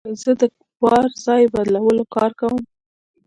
زه د بار ځای بدلولو کار کوم.